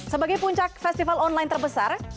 sebagai puncak festival online terbesar